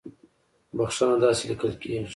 بخښنه داسې ليکل کېږي